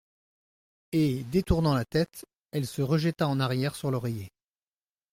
Et, détournant la tête, elle se rejeta en arrière sur l'oreiller.